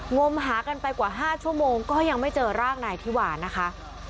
งมหากันไปกว่า๕ชั่วโมงก็ยังไม่เจอร่างนายธิวานะคะ